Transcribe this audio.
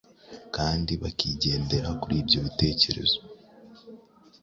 kandi bakigendera kuri ibyo bitekerezo,